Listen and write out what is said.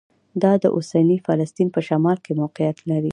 دا د اوسني فلسطین په شمال کې موقعیت لري.